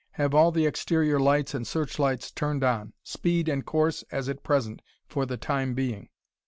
Have all the exterior lights and searchlights turned on. Speed and course as at present, for the time being."